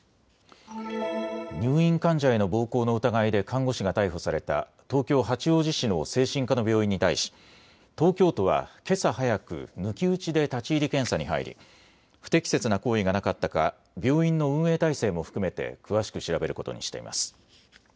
入院患者への暴行の疑いで看護師が逮捕された東京八王子市の精神科の病院に対し東京都はけさ早く抜き打ちで立ち入り検査に入り不適切な行為がなかったか病院の運営体制も含めて詳しく調べることにしています。